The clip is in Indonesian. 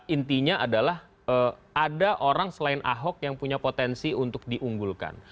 intinya adalah ada orang selain ahok yang punya potensi untuk diunggulkan